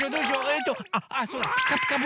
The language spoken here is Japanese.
ええとあっそうだ「ピカピカブ！」